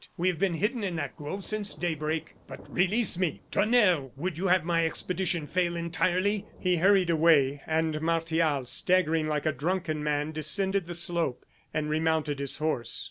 We have been hidden in that grove since daybreak. But release me tonnerre! would you have my expedition fail entirely?" He hurried away, and Martial, staggering like a drunken man, descended the slope, and remounted his horse.